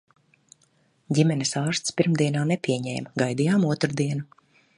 Ģimenes ārsts pirmdienā nepieņēma, gaidījām otrdienu.